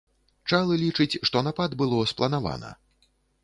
Чалы лічыць, што напад было спланавана.